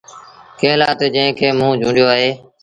ڪݩهݩ لآ تا جنٚهنٚ کي موٚنٚ چونڊيو اهي